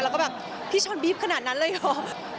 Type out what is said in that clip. แล้วก็แบบพี่ช้อนบี๊บขนาดนั้นเลยเหรอ